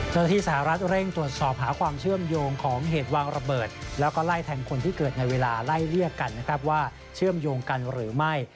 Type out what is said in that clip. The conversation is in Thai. เจ้าหน้าที่สหรัฐเร่งตรวจสอบหาความเชื่อมโยงของเหตุวางระเบิดแล้วก็ไล่แทงคนที่เกิดในเวลาไล่เรียกกันนะครับว่าเชื่อมโยงกันหรือไม่